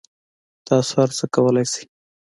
تاسو هر څه کولای شئ